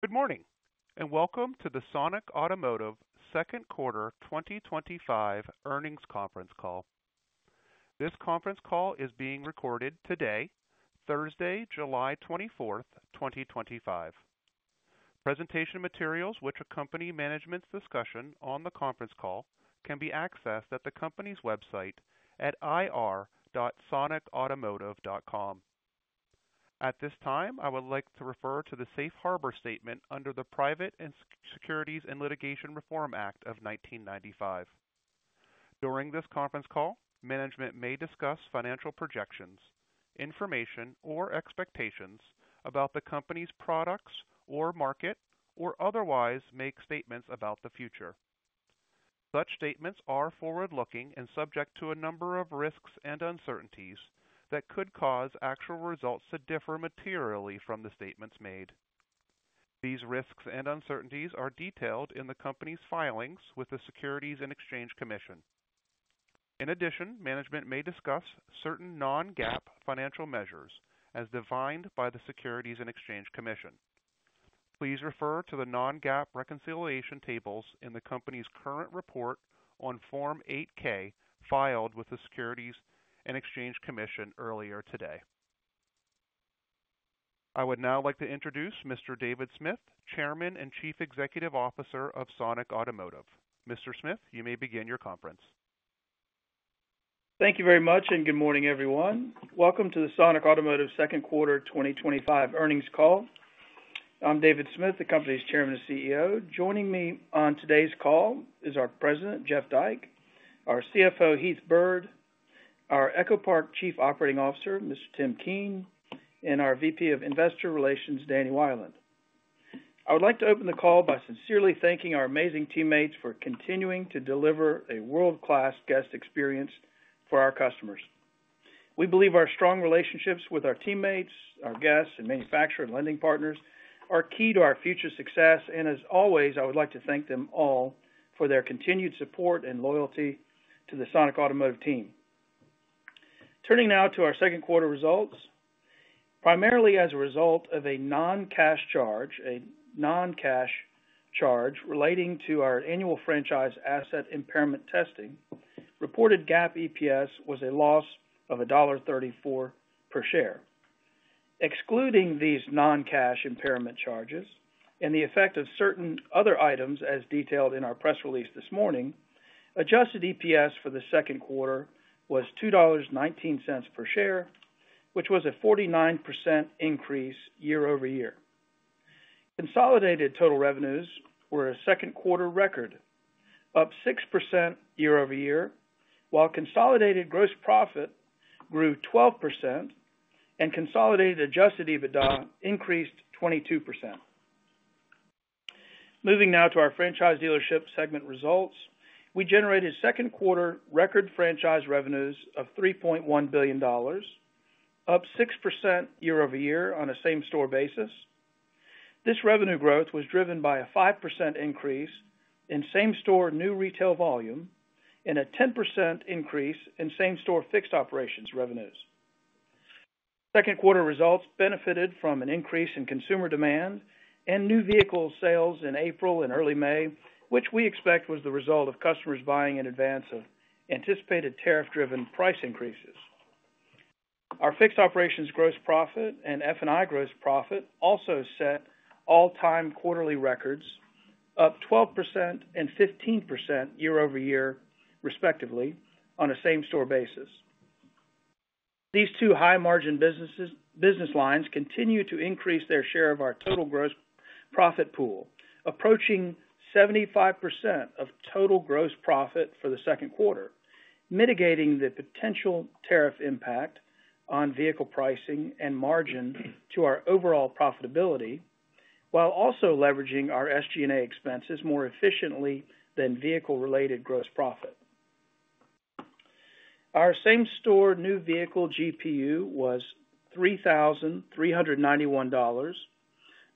Good morning, and welcome to the Sonic Automotive Second Quarter twenty twenty five Earnings Conference Call. This conference call is being recorded today, Thursday, 07/24/2025. Presentation materials, accompany management's discussion on the conference call, can be accessed at the company's website at ir.sonicautomotive.com. At this time, I would like to refer to the Safe Harbor statement under the Private Securities and Litigation Reform Act of 1995. During this conference call, management may discuss financial projections, information or expectations about the company's products or market or otherwise make statements about the future. Such statements are forward looking and subject to a number of risks and uncertainties that could cause actual results to differ materially from the statements made. These risks and uncertainties are detailed in the company's filings with the Securities and Exchange Commission. In addition, management may discuss certain non GAAP financial measures as defined by the Securities and Exchange Commission. Please refer to the non GAAP reconciliation tables in the company's current report on Form eight ks filed with the Securities and Exchange Commission earlier today. I would now like to introduce Mr. David Smith, Chairman and Chief Executive Officer of Sonic Automotive. Mr. Smith, you may begin your conference. Thank you very much and good morning everyone. Welcome to the Sonic Automotive second quarter twenty twenty five earnings call. I'm David Smith, the company's Chairman and CEO. Joining me on today's call is our President, Jeff Dyke our CFO, Heath Byrd our EchoPark Chief Operating Officer, Mr. Tim Keane and our VP of Investor Relations, Danny Wyland. I would like to open the call by sincerely thanking our amazing teammates for continuing to deliver a world class guest experience for our customers. We believe our strong relationships with our teammates, our guests and manufacturer and lending partners are key to our future success. And as always, I would like to thank them all for their continued support and loyalty to the Sonic Automotive team. Turning now to our second quarter results, primarily as a result of a non cash charge relating to our annual franchise asset impairment testing, reported GAAP EPS was a loss of $1.34 per share. Excluding these non cash impairment charges and the effect of certain other items as detailed in our press release this morning, adjusted EPS for the second quarter was $2.19 per share, which was a 49% increase year over year. Consolidated total revenues were a second quarter record, up 6% year over year, while consolidated gross profit grew 12% and consolidated adjusted EBITDA increased 22%. Moving now to our Franchise Dealership segment results. We generated second quarter record franchise revenues of $3,100,000,000 up 6% year over year on a same store basis. This revenue growth was driven by a 5% increase in same store new retail volume and a 10% increase in same store fixed operations revenues. Second quarter results benefited from an increase in consumer demand and new vehicle sales in April and early May, which we expect was the result of customers buying in advance of anticipated tariff driven price increases. Our fixed operations gross profit and F and I gross profit also set all time quarterly records up 1215% year over year respectively on a same store basis. These two high margin businesses business lines continue to increase their share of our total gross profit pool approaching 75% of total gross profit for the second quarter mitigating the potential tariff impact on vehicle pricing and margin to our overall profitability while also leveraging our SG and A expenses more efficiently than vehicle related gross profit. Our same store new vehicle GPU was $3,391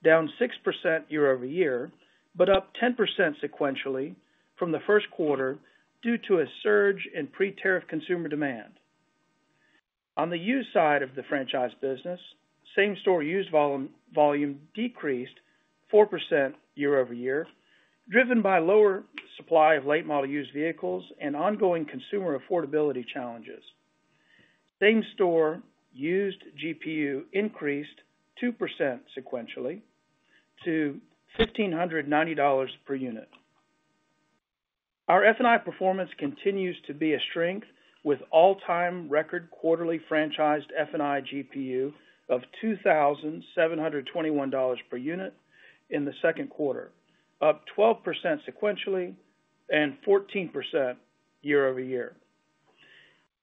down 6% year over year, but up 10% sequentially from the first quarter due to a surge in pre tariff consumer demand. On the used side of the franchise business, same store used volume decreased 4% year over year driven by lower supply of late model used vehicles and ongoing consumer affordability challenges. Same store used GPU increased 2% sequentially to $15.90 dollars per unit. Our F and I performance continues to be a strength with all time record quarterly franchised F and I GPU of $2,721 per unit in the second quarter, up 12% sequentially and 14% year over year.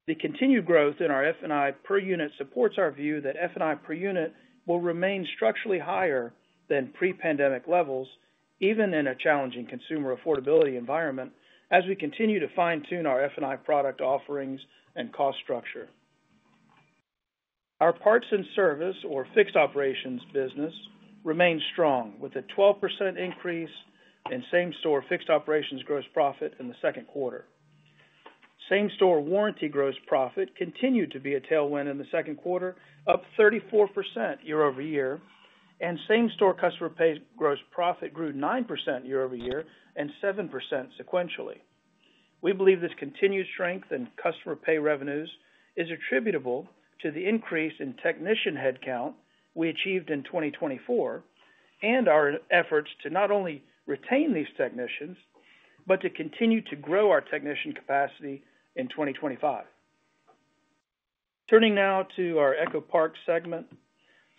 The continued growth in our F and I per unit supports our view that F and I per unit will remain structurally higher than pre pandemic levels even in a challenging consumer affordability environment as we continue to fine tune our F and I product offerings and cost structure. Our parts and service or fixed operations business remained strong with a 12% increase in same store fixed operations gross profit in the second quarter. Same store warranty gross profit continued to be a tailwind in the second quarter, up 34% year over year and same store customer pay gross profit grew 9% year over year and 7% sequentially. We believe this continued strength in customer pay revenues is attributable to the increase in technician headcount we achieved in 2024 and our efforts to not only retain these technicians, but to continue to grow our technician capacity in 2025. Turning now to our EchoPark segment.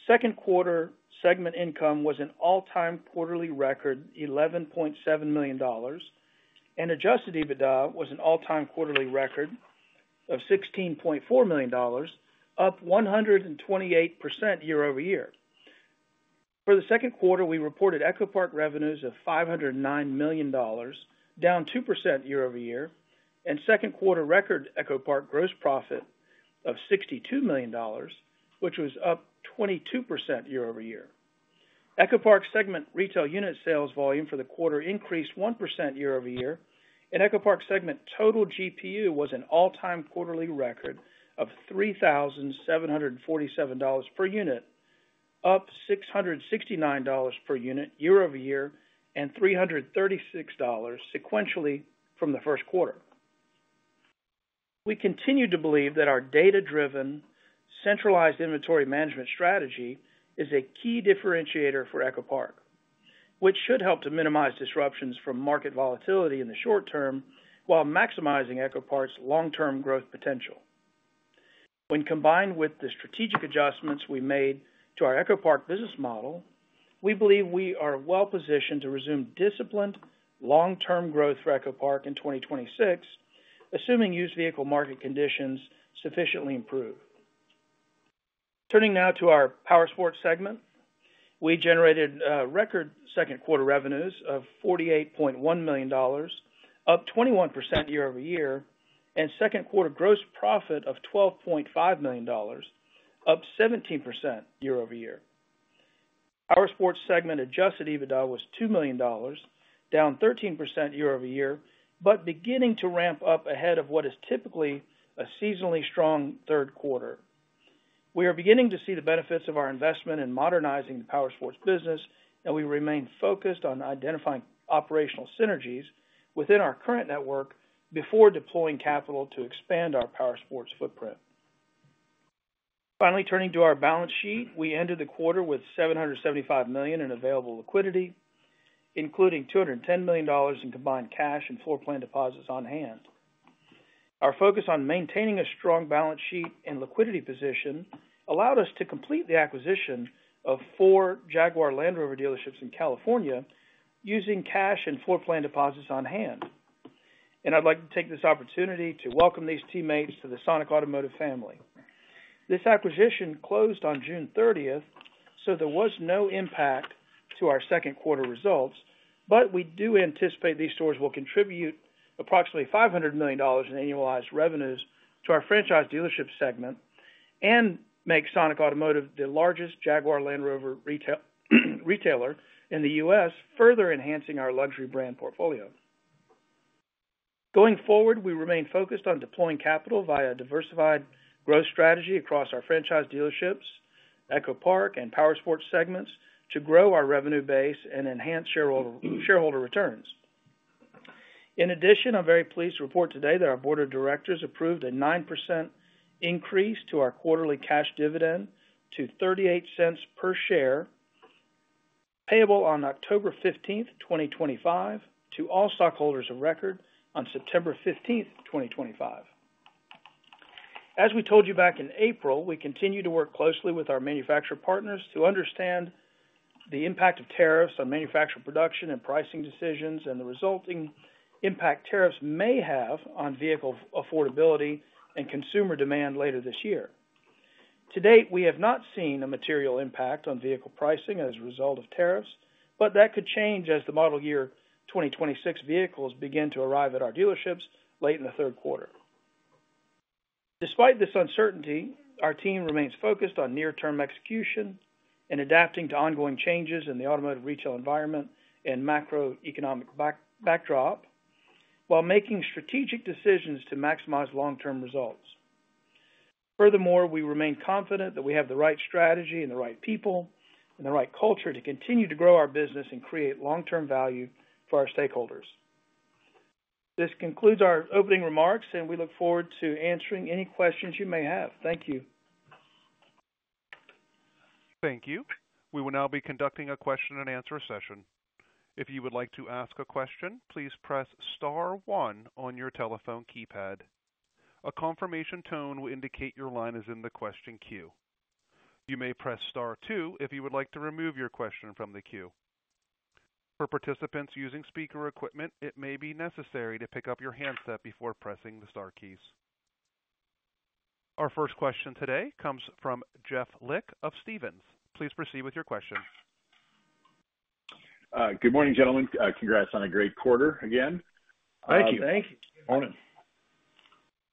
Second quarter segment income was an all time quarterly record $11,700,000 and adjusted EBITDA was an all time quarterly record of $16,400,000 up 128% year over year. For the second quarter, we reported EchoPark revenues of $5.00 $9,000,000 down 2% year over year and second quarter record EchoPark gross profit of $62,000,000 which was up 22% year over year. EchoPark segment retail unit sales volume for the quarter increased 1% year over year and EchoPark segment total GPU was an all time quarterly record of $3,747 per unit, up $669 per unit year over year and $336 sequentially from the first quarter. We continue to believe that our data driven centralized inventory management strategy is a key differentiator for EchoPark, which should help to minimize disruptions from market volatility in the short term, while maximizing EchoPark's long term growth potential. When combined with the strategic adjustments we made to our EchoPark business model, we believe we are well positioned to resume disciplined long term growth for EchoPark in 2026 assuming used vehicle market conditions sufficiently improve. Turning now to our Powersports segment. We generated record second quarter revenues of $48,100,000 up 21% year over year and second quarter gross profit of $12,500,000 up 17% year over year. Our Sports segment adjusted EBITDA was $2,000,000 down 13% year over year, but beginning to ramp up ahead of what is typically a seasonally strong third quarter. We are beginning to see the benefits of our investment in modernizing the powersports business and we remain focused on identifying operational synergies within our current network before deploying capital to expand our powersports footprint. Finally, turning to our balance sheet. We ended the quarter with $775,000,000 in available liquidity, including $210,000,000 in combined cash and floor plan deposits on hand. Our focus on maintaining a strong balance sheet and liquidity position allowed us to complete the acquisition of four Jaguar Land Rover dealerships in California using cash and floor plan deposits on hand. And I'd like to take this opportunity to welcome these teammates to the Sonic Automotive family. This acquisition closed on June 30, so there was no impact to our second quarter results, but we do anticipate these stores will contribute approximately $500,000,000 in annualized revenues to our franchise dealership segment and make Sonic Automotive the largest Jaguar Land Rover retailer in The U. S. Further enhancing our luxury brand portfolio. Going forward, we remain focused on deploying capital via diversified growth strategy across our franchise dealerships, EchoPark and powersports segments to grow our revenue base and enhance shareholder returns. In addition, I'm very pleased to report today that our Board of Directors approved a 9% increase to our quarterly cash dividend to $0.38 per share payable on 10/15/2025 to all stockholders of record on 09/15/2025. As we told you back in April, we continue to work closely with our manufacturer partners to understand the impact of tariffs on manufacturing production and pricing decisions and the resulting impact tariffs may have on vehicle affordability and consumer demand later this year. To date, we have not seen a material impact on vehicle pricing as a result of tariffs, but that could change as the model year 2026 vehicles begin to arrive at our dealerships late in the third quarter. Despite this uncertainty, our team remains focused on near term execution and adapting to ongoing changes in the automotive retail environment and macroeconomic backdrop, while making strategic decisions to maximize long term results. Furthermore, we remain confident that we have the right strategy and the right people and the right culture to continue to grow our business and create long term value for our stakeholders. This concludes our opening remarks and we look forward to answering any questions you may have. Thank you. Thank you. We will now be conducting a question and answer session. Our first question today comes from Jeff Licht of Stephens. Please proceed with your question. Good morning, gentlemen. Congrats on a great quarter again. Thank you. Good morning.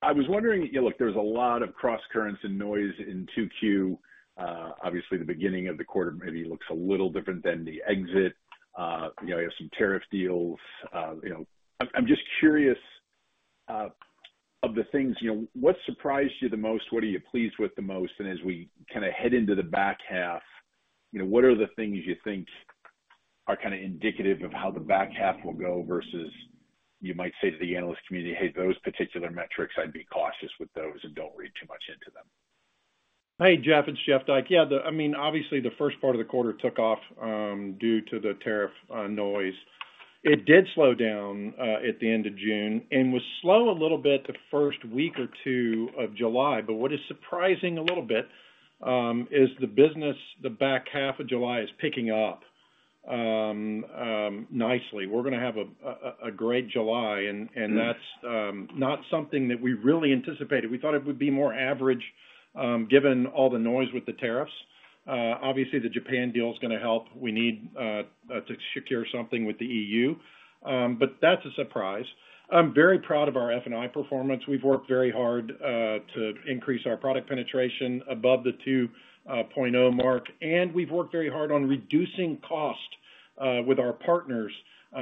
I was wondering, look, there's a lot of crosscurrents and noise in 2Q. Obviously, beginning of the quarter maybe looks a little different than the exit. You have some tariff deals. I'm just curious of the things what surprised you the most? What are you pleased with the most? And as we kind of head into the back half, what are the things you think are kind of indicative of how the back half will go versus you might say to the analyst community, hey, those particular metrics, I'd be cautious with those and don't read too much into them. Hi, Jeff. It's Jeff Dyke. Yes, I mean, obviously, the first part of the quarter took off due to the tariff noise. It did slow down at the June and was slow a little bit the July. But what is surprising a little bit is the business, the back half of July is picking up nicely. We're going to have a great July and that's not something that we really anticipated. We thought it would be more average given all the noise with the tariffs. Obviously, Japan deal is going to help. We need to secure something with the EU, but that's a surprise. I'm very proud of our F and I performance. We've worked very hard to increase our product penetration above the two point zero mark and we've worked very hard on reducing cost with our partners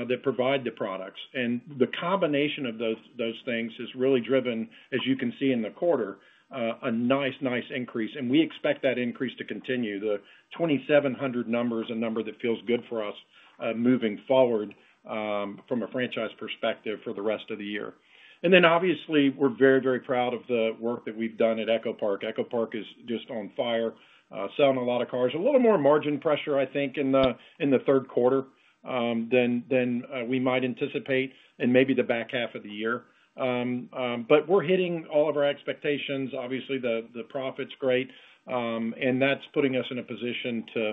that provide the products. And the combination of those things is really driven as you can see in the quarter, a nice, nice increase and we expect that increase to continue. The 2,700 number is a number that feels good for us moving forward from a franchise perspective for the rest of the year. And then obviously, we're very, very proud of the work that we've done at EchoPark. EchoPark is just on fire, selling a lot of cars. A little more margin pressure I think in the third quarter than we might anticipate and maybe the back half of the year. But we're hitting all of our expectations. Obviously, profit is great and that's putting us in a position to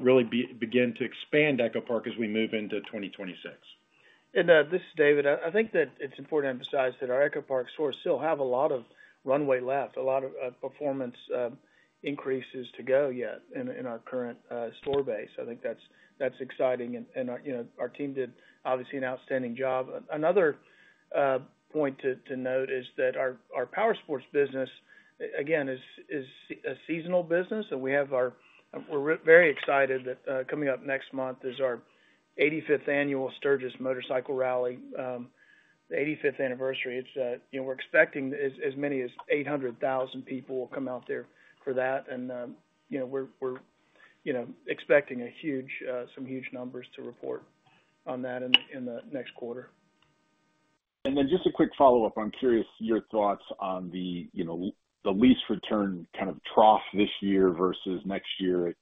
really begin to expand EchoPark as we move into 2026. And this is David. I think that it's important to emphasize that our EchoPark stores still have a lot of runway left, a lot of performance increases to go yet in our current store base. I think that's exciting and our team did obviously an outstanding job. Another point to note is that our powersports business again is a seasonal business and we have our we're very excited that coming up next month is our eighty fifth Annual Sturgis Motorcycle Rally, the eighty fifth anniversary. It's we're expecting as many as 800,000 people will come out there for that and we're expecting a huge some huge numbers to report on that in the next quarter. And then just a quick follow-up. I'm curious your thoughts on the lease return kind of trough this year versus next year.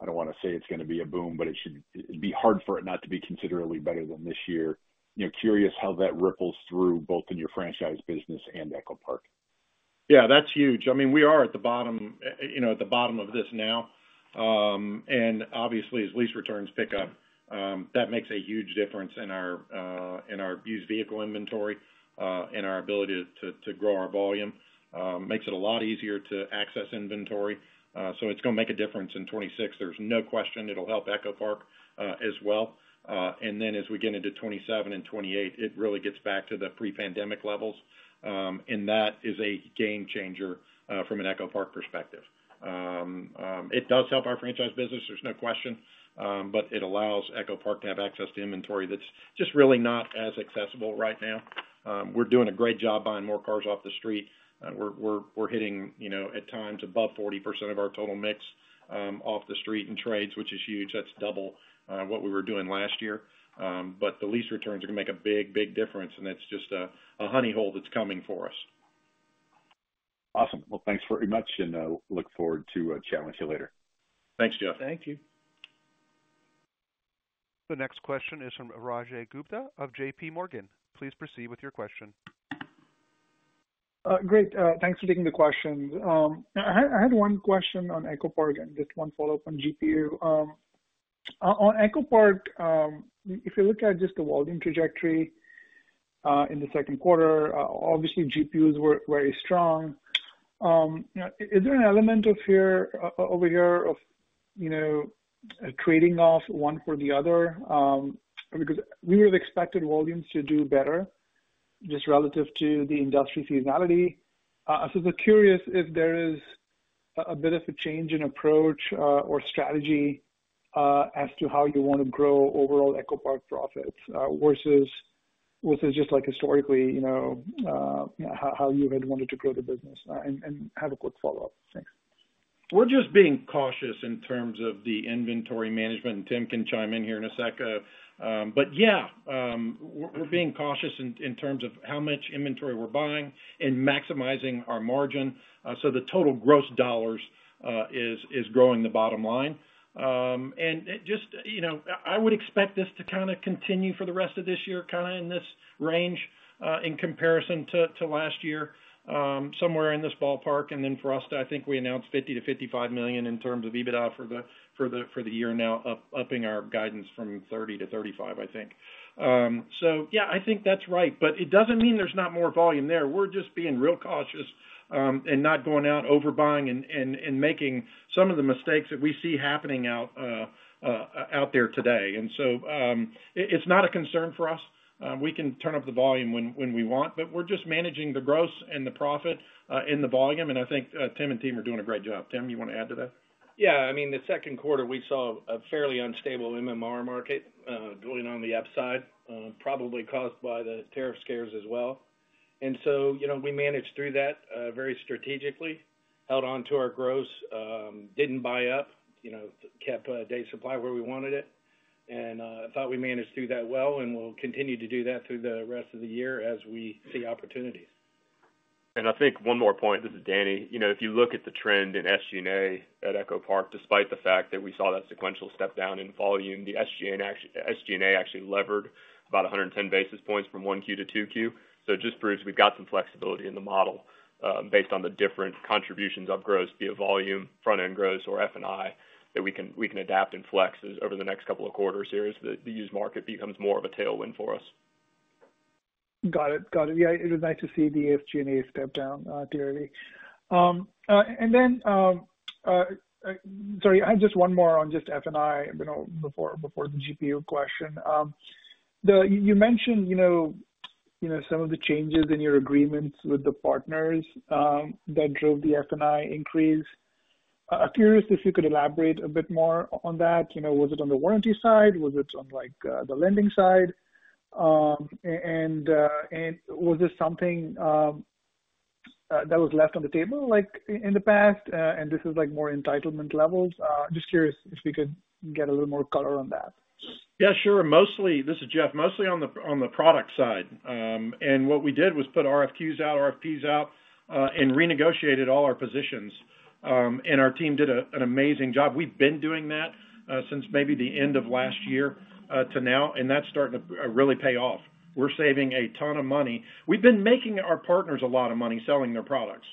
I don't want to say it's going to be a boom, but it should be hard for it not to be considerably better than this year. Curious how that ripples through both in your franchise business and EchoPark? Yes, that's huge. I mean, are at the bottom of this now. And obviously as lease returns pick up that makes a huge difference in our used vehicle inventory and our ability to grow our volume makes it a lot easier to access inventory. So it's going make a difference in 2026. There's no question it will help EchoPark as well. And then as we get into 2027 and 2028, it really gets back to the pre pandemic levels and that is a game changer from an EchoPark perspective. It does help our franchise business. There's no question, but it allows EchoPark to have access to inventory that's just really not as accessible right now. We're doing a great job buying more cars off the street. We're hitting at times above 40% of our total mix off the street and trades, which is huge. That's double what we were doing last year. But the lease returns are going make a big, big difference and that's just a honey hole that's coming for us. Awesome. Well, thanks very much and look forward to chatting with you later. Thanks, Jeff. Thank you. The next question is from Rajeev Gupta of JPMorgan. Please proceed with your question. Great. Thanks for taking the question. I had one question on EchoPark and just one follow-up on GPU. On EchoPark, if you look at just the volume trajectory in the second quarter, obviously GPUs were very strong. Is there an element of here over here of trading off one for the other? Because we would have expected volumes to do better just relative to the industry seasonality. So I curious if there is a bit of a change in approach or strategy as to how you want to grow overall EchoPark profits versus just like historically how you had wanted to grow the business? And I have a quick follow-up. Thanks. We're just being cautious in terms of the inventory management and Tim can chime in here in a sec. But yes, we're being cautious in terms of how much inventory we're buying and maximizing our margin. So the total gross dollars is growing the bottom line. And just I would expect this to kind of continue for the rest of this year kind of in this range in comparison to last year somewhere in this ballpark. And then for us, I think we announced 50,000,000 to $55,000,000 in terms of EBITDA for the year now upping our guidance from 30,000,000 to 35,000,000 I think. So yes, I think that's right. But it doesn't mean there's not more volume there. We're just being real cautious and not going out over buying and making some of the mistakes that we see happening out there today. And so it's not a concern for us. We can turn up the volume when we want, but we're just managing the gross and the profit in the volume and I think Tim and team are doing a great job. Tim, you want to add to that? Yes. I mean, the second quarter we saw a fairly unstable MMR market going on the upside probably caused by the tariff scares as well. And so we managed through that very strategically held on to our gross, didn't buy up, kept day supply where we wanted it and I thought we managed through that well and we'll continue to do that through the rest of the year as we see opportunities. And I think one more point. This is Danny. If you look at the trend in SG and A at EchoPark despite the fact that we saw that sequential step down in volume, the SG and A actually levered about 110 basis points from 1Q to 2Q. So just proves we've got some flexibility in the model based on the different contributions of gross via volume, front end gross or F and I that we adapt and flex over the next couple of quarters here as the used market becomes more of a tailwind for us. Got it. Got it. Yes, it was nice to see the SG and A step down clearly. And then, sorry, I have just one more on just F and I before the GPU question. You mentioned some of the changes in your agreements with the partners that drove the F and I increase. Curious if you could elaborate a bit more on that. Was it on the warranty side? Was it on like the lending side? And was this something that was left on the table like in the past? And this is like more entitlement levels? Just curious if we could get a little more color on that. Yes, sure. Mostly this is Jeff. Mostly on the product side. And what we did was put RFQs out, RFPs out and renegotiated all our positions. And our team did an amazing job. We've been doing that since maybe the end of last year to now and that's starting to really pay off. We're saving a ton of money. We've been making our partners a lot of money selling their products.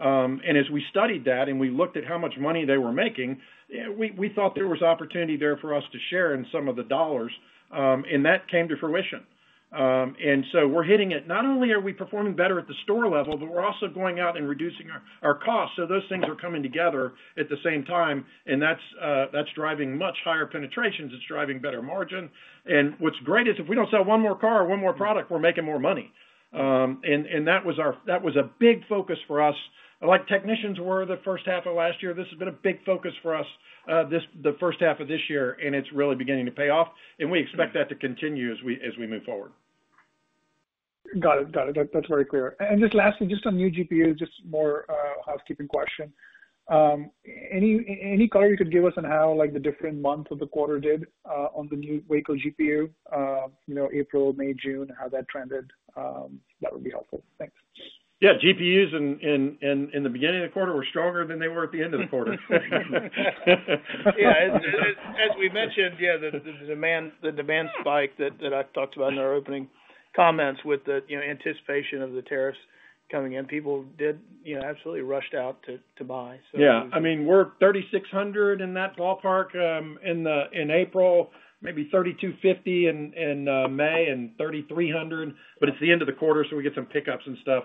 And as we studied that and we looked at how much money they were making, we thought there was opportunity there for us to share in some of the dollars, and that came to fruition. And so we're hitting it. Not only are we performing better at the store level, but we're also going out and reducing our costs. So those things are coming together at the same time, and that's driving much higher penetrations. It's driving better margin. And what's great is if we don't sell one more car or one more product, we're making more money. And that was our that was a big focus for us. Like technicians were in the first half of last year, this has been a big focus for us the first half of this year, and it's really beginning to pay off. And we expect that to continue as we move forward. Got it. Got it. That's very clear. And just lastly, just on new GPUs, just more housekeeping question. Any color you could give us on how like the different month of the quarter did on the new vehicle GPU, April, May, June, how that trended? Would be helpful. Thanks. Yes. GPUs in the beginning of the quarter were stronger than they were at the end of the quarter. Yes. As we mentioned, yes, the demand spike that I talked about in our opening comments with the anticipation of the tariffs coming in, people did absolutely rushed out to buy. I mean, we're 3,600 in that ballpark in April, maybe 3,250 in May and 3,300, but it's the end of the quarter, so we get some pickups and stuff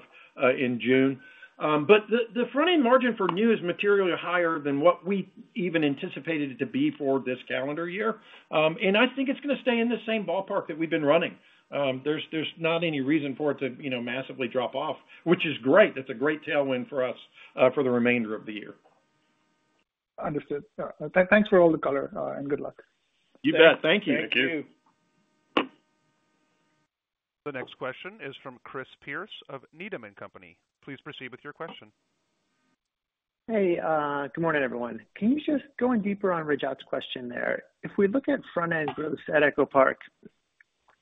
in June. But the front end margin for new is materially higher than what we even anticipated it to be for this calendar year. And I think it's going to stay in the same ballpark that we've been running. There's not any reason for it to massively drop off, which is great. That's a great tailwind for us for the remainder of the year. Understood. Thanks for all the color and good luck. You bet. Thank you. Thank you. The next question is from Chris Pearce of Needham and Company. Please proceed with your question. Hey, good morning everyone. Can you just go in deeper on Rajat's question there? If we look at front end growth at EchoPark,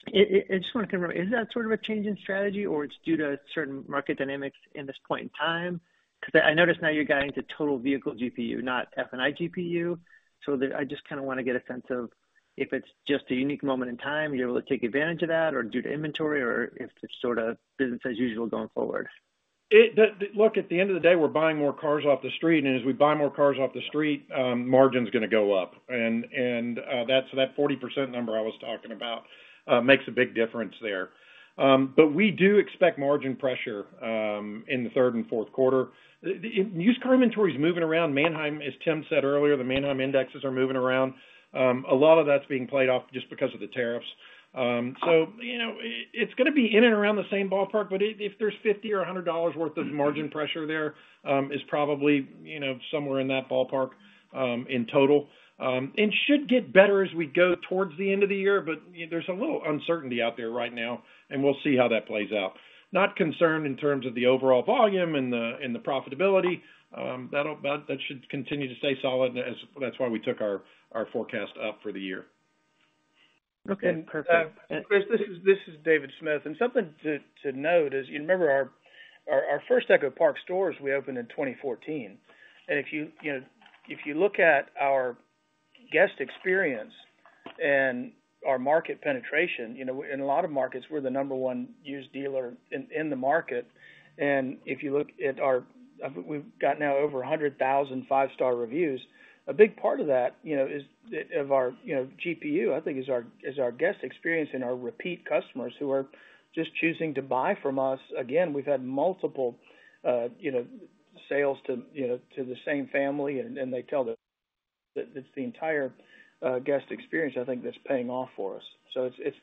I just want to confirm, is that sort of a change in strategy or it's due to certain market dynamics in this point in time? Because I noticed now you're guiding to total vehicle GPU, not F and I GPU. So I just kind of want to get a sense of if it's just a unique moment in time, you're able to take advantage of that or due to inventory or if it's sort of business as usual going forward? Look, at the end of the day, we're buying more cars off the street. And as we buy more cars off the street, margin is going to go up. And that 40% number I was talking about makes a big difference there. But we do expect margin pressure in the third and fourth quarter. Used car inventory is moving around Manheim, as Tim said earlier, the Manheim indexes are moving around. A lot of that's being played off just because of the tariffs. So it's going to be in and around the same ballpark, but if there's $50 or $100 worth of margin pressure there is probably somewhere in that ballpark in total. It should get better as we go towards the end of the year, but there's a little uncertainty out there right now and we'll see how that plays out. Not concerned in terms of the overall volume and profitability, that should continue to stay solid. That's why we took our forecast up for the year. Okay. Perfect. Chris, this is David Smith. And something to note is, you remember our first EchoPark stores we opened in 2014. And if you look at our guest experience and our market penetration, in a lot of markets we're the number one used dealer in the market. And if you look at our we've got now over 100,005 star reviews. A big part of that is of our GPU I think is our guest experience and our repeat customers who are just choosing to buy from us. Again, we've had multiple sales to the same family and they tell the it's the entire guest experience I think that's paying off for us. So it's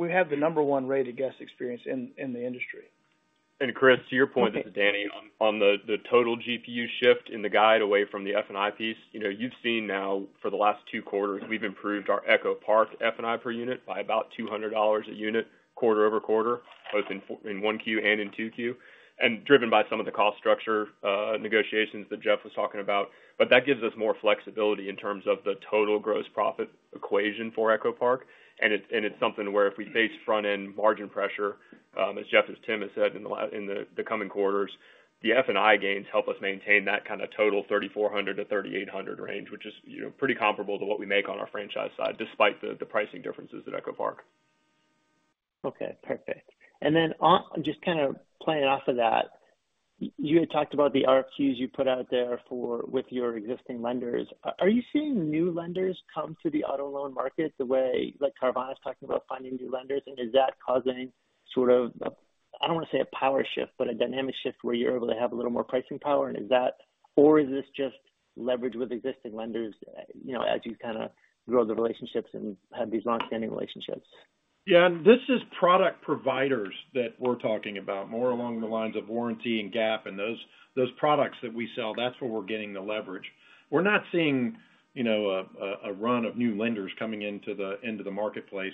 have the number one rated guest experience in the industry. And Chris to your point this On is the total GPU shift in the guide away from the F and I piece, you've seen now for the last two quarters we've improved our EchoPark F and I per unit by about $200 a unit quarter over quarter both in 1Q and in 2Q and driven by some of the cost structure negotiations that Jeff was talking about. But that gives us more flexibility in terms of the total gross profit equation for EchoPark and it's something where if we face front end margin pressure as Jeff as Tim has said in the coming quarters, the F and I gains help us maintain that kind of total 3,400 to 3,800 range which is pretty comparable to what we make on our franchise side despite the pricing differences at EchoPark. Okay, perfect. And then just kind of playing off of that, you had talked about the RFQs you put out there for with your existing lenders. Are you seeing new lenders come to the auto loan market the way like Carvana is talking about finding new lenders? Is that causing sort of I don't want say a power shift, but a dynamic shift where you're able to have a little more pricing power? And is that or is this just leverage with existing lenders as you kind of grow the relationships and have these long standing relationships? Yes. This is product providers that we're talking about more along the lines of warranty and gap and those products that we sell, that's where we're getting the leverage. We're not seeing a run of new lenders coming into marketplace.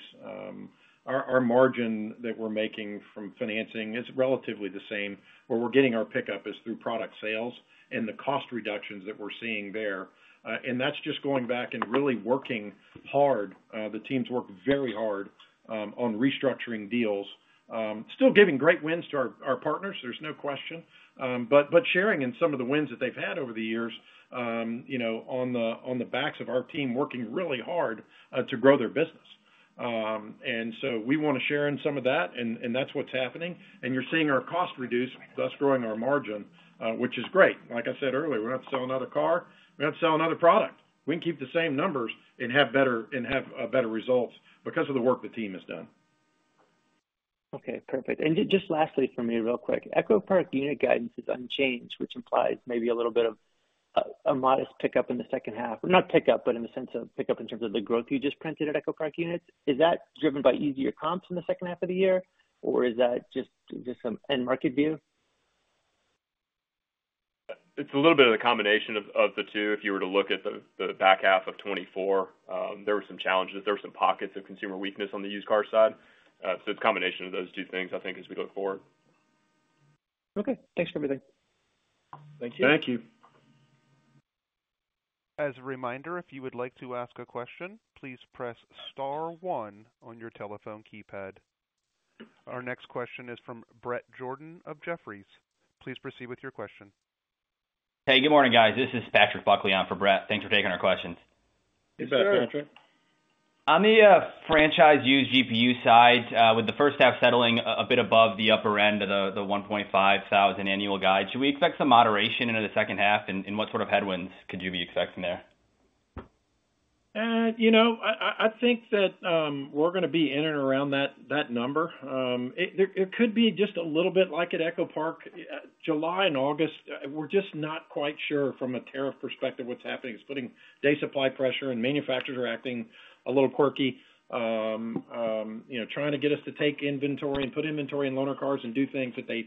Our margin that we're making from financing is relatively the same. Where we're getting our pickup is through product sales and the cost reductions that we're seeing there. And that's just going back and really working hard. The teams worked very hard on restructuring deals, still giving great wins to our partners. There's no question. But sharing in some of the wins that they've had over the years on the backs of our team working really hard to grow their business. And so we want to share in some of that and that's what's happening. And you're seeing our cost reduced thus growing our margin, which is great. Like I said earlier, we're not selling another car, we're selling another product. We can keep the same numbers and have better results because of the work the team has done. Okay, perfect. And then just lastly for me real quick. EchoPark unit guidance is unchanged, which implies maybe a little bit of a modest pickup in the second half, not pickup, but in the sense of pickup in terms of the growth you just printed at EchoPark units. Is that driven by easier comps in the second half of the year? Or is that just some end market view? It's a little bit of a combination of the two. If you were to look at the back half twenty twenty four, there were some challenges, were some pockets of consumer weakness on the used car side. So it's a combination of those two things I think as we look forward. Okay. Thanks for everything. Thank you. Thank you. Our next question is from Bret Jordan of Jefferies. Please proceed with your question. Hey, good morning guys. This is Patrick Buckley on for Bret. Thanks for taking our questions. On the franchise used GPU side, with the first half settling a bit above the upper end of the $1,500,000 annual guide, should we expect some moderation into the second half? And what sort of headwinds could you be expecting there? I think that we're going to be in and around that number. It could be just a little bit like at EchoPark. July and August, we're just not quite sure from a tariff perspective what's happening. It's putting day supply pressure and manufacturers are acting a little quirky, trying to get us to take inventory and put inventory in loaner cars and do things that they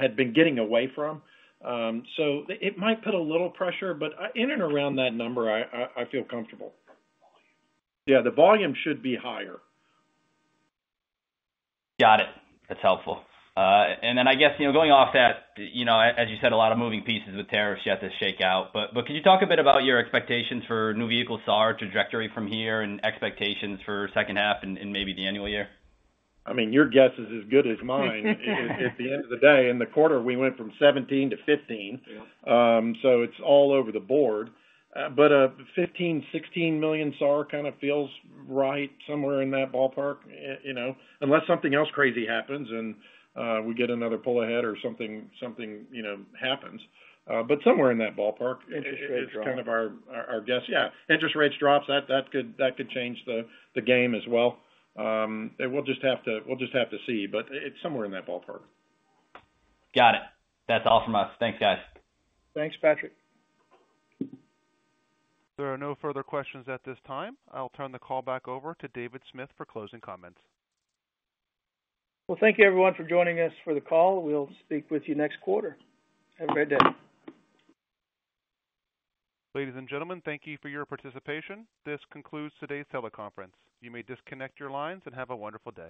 had been getting away from. So it might put a little pressure, but in and around that number, I feel comfortable. Yes, the volume should be higher. Got it. That's helpful. And then I guess going off that as you said a lot of moving pieces with tariffs yet to shake out. Can you talk a bit about your expectations for new vehicle SAAR trajectory from here and expectations for second half and maybe the annual year? I mean, your guess is as good as mine. At the end of the day, in the quarter, we went from 17,000,000 to $15,000,000 So it's all over the board. But $15,000,000 $16,000,000 SAR kind of feels right somewhere in that ballpark, unless something else crazy happens and we get another pull ahead or something happens. But somewhere in that ballpark, it's Interest kind rates of our Yes, interest rates drop, that could change the game as well. We'll just have to see, but it's somewhere in that ballpark. Got it. That's all from us. Thanks guys. Thanks Patrick. There are no further questions at this time. I'll turn the call back over to David Smith for closing comments. Well, thank you everyone for joining us for the call. We'll speak with you next quarter. Have a great day. Ladies and gentlemen, thank you for your participation. This concludes today's teleconference. You may disconnect your lines and have a wonderful day.